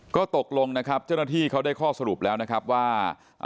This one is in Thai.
ก็ตกลงนะครับเจ้าหน้าที่เขาได้ข้อสรุปแล้วนะครับว่า